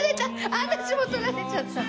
私も取られちゃった。